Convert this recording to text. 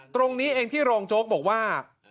ตรงนี้เองที่รองโจ๊กบอกว่า